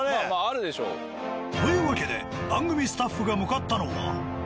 というわけで番組スタッフが向かったのは。